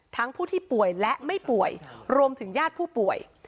ผู้ที่ป่วยและไม่ป่วยรวมถึงญาติผู้ป่วย